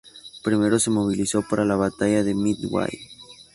Primero se movilizó para la batalla de Midway.